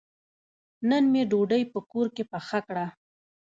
نن مې ډوډۍ په کور کې پخه کړه.